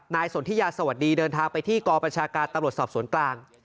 สนทิยาสวัสดีเดินทางไปที่กองประชาการตำรวจสอบสวนกลาง